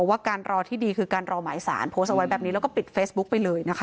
ว่าการรอที่ดีคือการรอหมายสารโพสต์เอาไว้แบบนี้แล้วก็ปิดเฟซบุ๊กไปเลยนะคะ